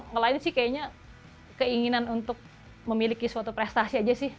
faktor faktor yang lain sih kayaknya keinginan untuk memiliki suatu prestasi aja sih